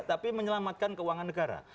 tapi menyelamatkan keuangan negara